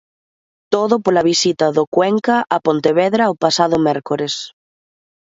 Todo pola visita do Cuenca a Pontevedra o pasado mércores.